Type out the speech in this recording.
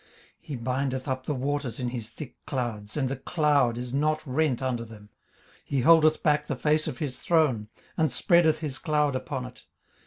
18:026:008 He bindeth up the waters in his thick clouds; and the cloud is not rent under them. 18:026:009 He holdeth back the face of his throne, and spreadeth his cloud upon it.